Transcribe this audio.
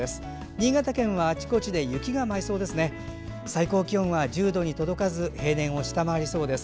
新潟県はあちらこちらで雪が舞いそうです。